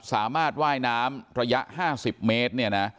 สามารถว่ายน้ำระยะ๕๐เมตรเนี่ยนะ